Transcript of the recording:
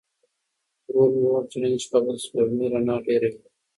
ورور مې وویل چې نن شپه به د سپوږمۍ رڼا ډېره وي.